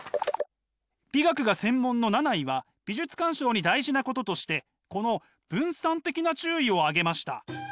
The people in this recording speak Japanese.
美学が専門のナナイは美術鑑賞に大事なこととしてこの「分散的な注意」を挙げました。